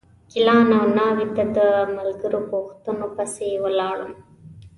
ګیلان او ناوې ته د ملګرو پوښتنو پسې ولاړم.